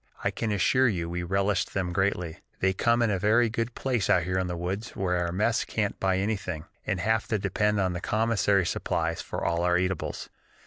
I can assure you we relished them greatly; they come in very good place out here in the woods where our mess can't buy anything, and have to depend on the commissary supplies for all our eatables.